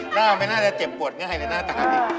หน้าไม่น่าจะเจ็บปวดไงในหน้าตาดิ